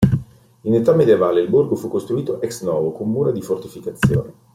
In età medievale il borgo fu costruito ex novo, con mura di fortificazione.